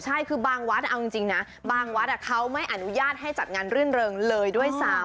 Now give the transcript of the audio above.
ใช่คือบางวัดเอาจริงนะบางวัดเขาไม่อนุญาตให้จัดงานรื่นเริงเลยด้วยซ้ำ